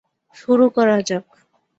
শুরু করা যাক।